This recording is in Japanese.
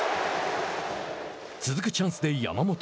続くチャンスで山本。